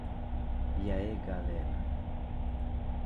User Acceptance Testing (UAT) valida a funcionalidade com usuários finais.